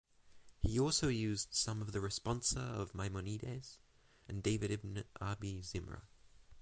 He also used some of the Responsa of Maimonides and David Ibn Abi Zimra.